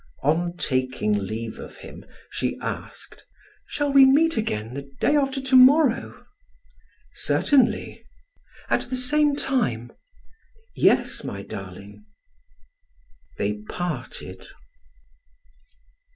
On taking leave of him, she asked: "Shall we meet again the day after to morrow?" "Certainly." "At the same time?" "Yes, my darling." They parted.